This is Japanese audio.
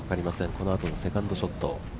このあとのセカンドショット。